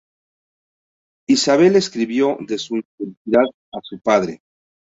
Isabel escribió de su infelicidad a su padre.